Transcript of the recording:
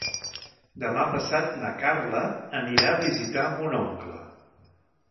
Demà passat na Carla anirà a visitar mon oncle.